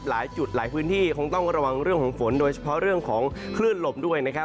หลายจุดหลายพื้นที่คงต้องระวังเรื่องของฝนโดยเฉพาะเรื่องของคลื่นลมด้วยนะครับ